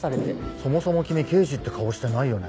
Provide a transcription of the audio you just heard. そもそも君刑事って顔してないよね。